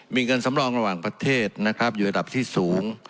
มีเงินสำรองระหว่างประเทศนะครับอยู่ระดับที่สูง